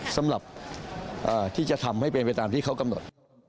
สำหรับที่จะทำให้เป็นไปตามที่เขากำหนด